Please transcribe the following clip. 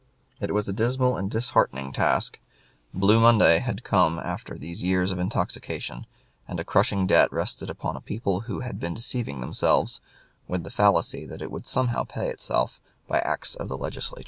It was a dismal and disheartening task. Blue Monday had come after these years of intoxication, and a crushing debt rested upon a people who had been deceiving themselves with the fallacy that it would somehow pay itself by acts of the Legislature.